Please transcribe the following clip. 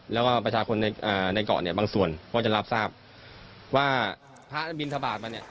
แล้วก็ประชาชนในเกาะเนี่ยบางส่วนก็จะรับทราบว่าพระบินทบาทมาเนี่ย